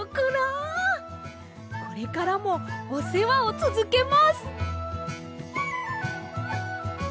これからもおせわをつづけます！